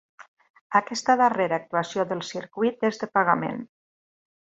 Aquesta darrera actuació del circuit és de pagament.